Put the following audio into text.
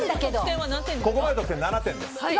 ここまでの得点７点です。